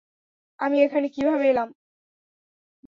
আমি এখানে কীভাবে এলাম?